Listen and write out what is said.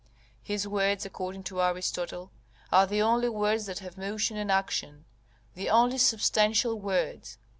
His words, according to Aristotle, are the only words that have motion and action, the only substantial words.